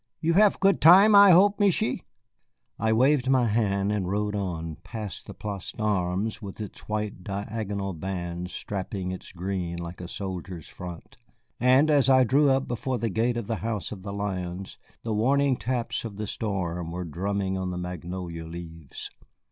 "You hev good time, I hope, Michié." I waved my hand and rode on, past the Place d'Armes with its white diagonal bands strapping its green like a soldier's front, and as I drew up before the gate of the House of the Lions the warning taps of the storm were drumming on the magnolia leaves.